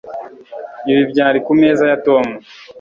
ibi byari kumeza ya tom